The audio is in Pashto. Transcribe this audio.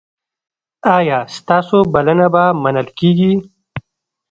ایا ستاسو بلنه به منل کیږي؟